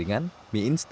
di kiri kiri bisa